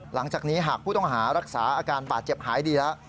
หลังจากนี้หากผู้ต้องหารักษาอาการบาดเจ็บหายดีแล้ว